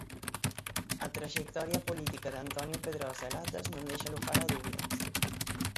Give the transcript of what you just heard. A traxectoria política de Antonio Pedrosa Latas non deixa lugar a dúbidas.